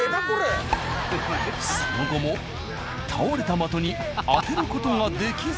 その後も倒れた的に当てる事ができず。